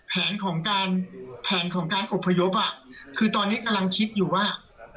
แผนของการแผนของการอบพยพคือตอนนี้กำลังคิดอยู่ว่า